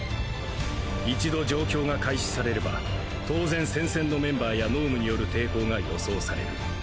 一度状況が開始されれば当然戦線のメンバーや脳無による抵抗が予想される。